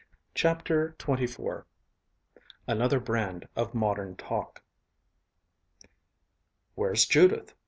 CHAPTER XXIV ANOTHER BRAND OF MODERN TALK "Where's Judith?"